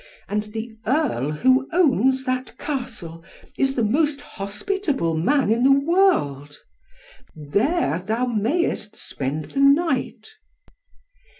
And the Earl who owns that Castle, is the most hospitable man in the world. There thou mayest spend the night."